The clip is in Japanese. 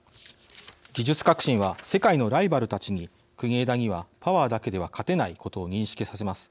技術革新は世界のライバルたちに国枝にはパワーだけでは勝てないことを認識させます。